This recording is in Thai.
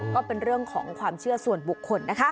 ก็เป็นเรื่องของความเชื่อส่วนบุคคลนะคะ